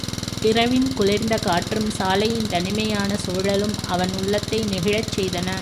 இரவின் குளிர்ந்த காற்றும், சாலையின் தனிமையான சூழலும் அவன் உள்ளத்தை நெகிழச் செய்தன.